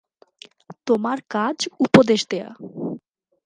তোমার কাজ উপদেশ দেয়া।